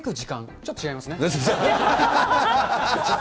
ちょっと違いますね。